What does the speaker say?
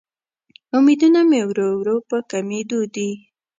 امیدونه مې ورو ورو په کمیدو دې